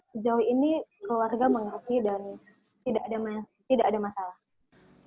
sejauh ini keluarga mengerti dan tidak ada masalah